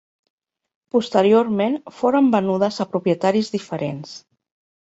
Posteriorment foren venudes a propietaris diferents.